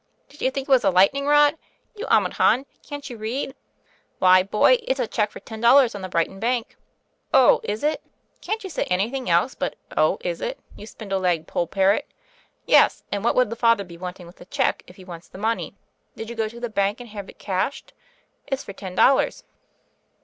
"Did you think it was a lightning rod? You omadhaun, can't you read? Why, boy, it's a check for ten dollars on the Brighton Bank." •;Oh, is it?" Can't you say anything else but *Oh, is it?' you spindle legged poll parrot ? Yes : and what would the Father be wanting with a check: he wants the money. Did you go to the bank, and have it cashed? It's for ten dollars."